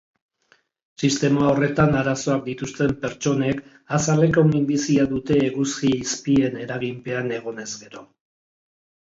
Sistema horretan arazoak dituzten pertsonek azaleko minbizia dute eguzki izpien eraginpean egonez gero.